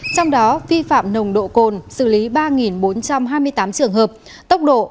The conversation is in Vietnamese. trong đó vi phạm nồng độ cồn xử lý ba bốn trăm hai mươi tám trường hợp tốc độ một chín trăm một mươi chín